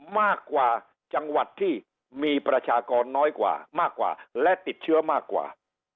มากกว่าจังหวัดที่มีประชากรน้อยกว่ามากกว่าและติดเชื้อมากกว่า